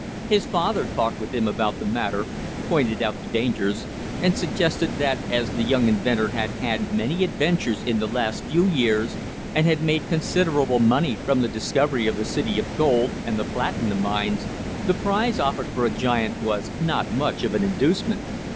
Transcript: His father talked with him about the matter, pointed out the dangers, and suggested that, as the young inventor had had many adventures in the last few years, and had made considerable money from the discovery of the city of gold, and the platinum mines, the prize offered for a giant was not much of an inducement.